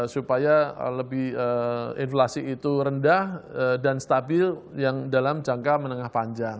supaya lebih inflasi itu rendah dan stabil yang dalam jangka menengah panjang